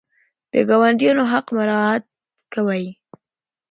د ګاونډیانو حق مراعات کوئ؟